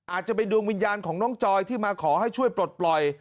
อาจจะเป็นดวงวิญญาณของน้องจอยที่มาขอให้ช่วยปลดปล่อย